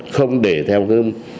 không để theo các